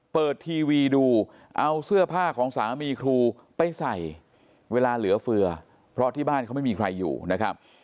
เปิดทีวีดูเอาเสื้อผ้าของสามีครูไปใส่เวลาเหลือเฟือเพราะที่บ้านเขาไม่มีใครอยู่นะครับ